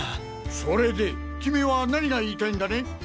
それでキミは何が言いたいんだね？